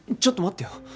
ちょっと待ってよ。